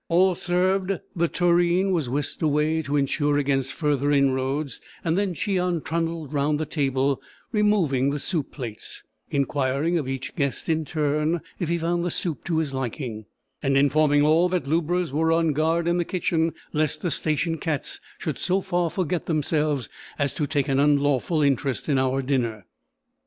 All served, the tureen was whisked away to ensure against further inroads, and then Cheon trundled round the table, removing the soup plates, inquiring of each guest in turn if he found the soup to his liking, and informing all that lubras were on guard in the kitchen, lest the station cats should so far forget themselves as to take an unlawful interest in our dinner.